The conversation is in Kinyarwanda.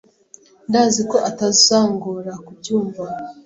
ndaziko atazangora kubyumva